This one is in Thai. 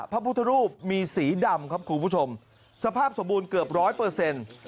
พระพุทธรูปมีสีดำครับคุณผู้ชมสภาพสมบูรณ์เกือบร้อยเปอร์เซ็นต์